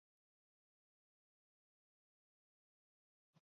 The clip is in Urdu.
لیکن پوری دنیا میں لوگ بہت سست رفتاری سے ونڈوزایٹ اور سیون پر اپ گریڈ ہوہے ہیں